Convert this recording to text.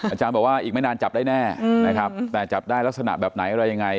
อาจารย์บอกว่าอีกไม่นานจับได้แน่นะครับแต่จับได้ลักษณะแบบไหนอะไรยังไง